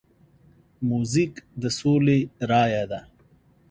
موزیک د سولې رایه ده.